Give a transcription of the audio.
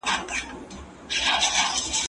زه اجازه لرم چي کتابتون ته ولاړ سم،